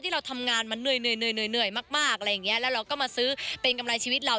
ที่เราทำงานมันเหนื่อยมากแล้วก็มาซื้อเป็นกำไรชีวิตเรา